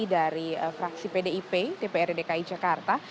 dari fraksi pdip dprd dki jakarta